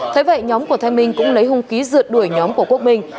thế vậy nhóm của thanh minh cũng lấy hung khí rượt đuổi nhóm của quốc minh